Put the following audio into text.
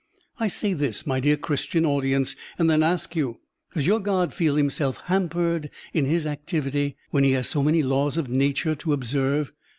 I say this, my dear Christian audience, and then ask you, "Does your God feel himself hampered in his activity when he has so many laws of nature to observe?